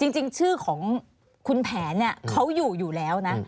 จริงชื่อของคุณแผนเขาอยู่แล้วนะ